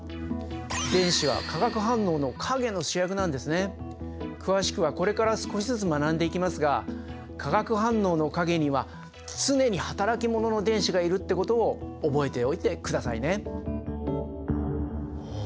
例えば詳しくはこれから少しずつ学んでいきますが化学反応の陰には常に働き者の電子がいるってことを覚えておいてくださいね。